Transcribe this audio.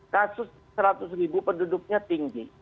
kasus seratus penduduknya tinggi